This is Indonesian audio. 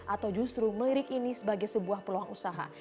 atau justru melirik ini sebagai sebuah peluang usaha